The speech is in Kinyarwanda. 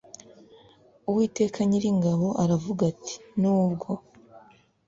Uwiteka Nyiringabo aravuga ati Nubwo